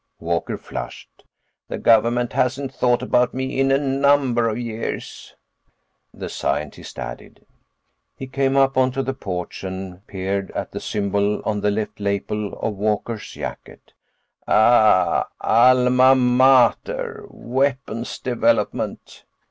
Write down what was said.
Walker flushed. "The government hasn't thought about me in a number of years," the scientist added. He came up onto the porch and peered at the symbol on the left lapel of Walker's jacket. "Ah! Alma mater. Weapons Development."